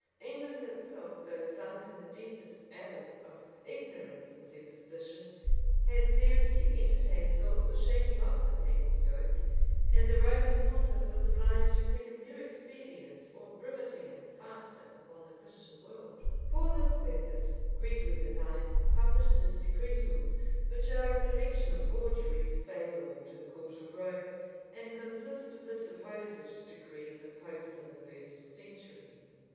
England itself, though sunk in the deepest abyss of ignorance and superstition, had seriously entertained thoughts of shaking off the papal yoke;[] and the Roman pontiff was obliged to think of new expedients for rivetting it faster upon the Christian world. * M. Paris, p. 509. M. Paris, p. 421. For this purpose, Gregory IX. published his decretals,[*] which are a collection of forgeries favorable to the court of Rome, and consist of the supposed decrees of popes in the first centuries.